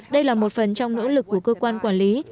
đây là một phần trong nỗ lực của cơ quan quản lý